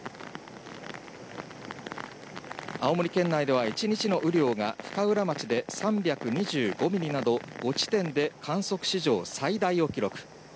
青森県内では一日の雨量が深浦町で３２５ミリなど５地点で観測史上最大を記録。